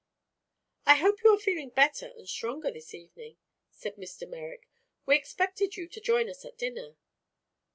"I hope you are feeling better and stronger this evening," said Mr. Merrick. "We expected you to join us at dinner."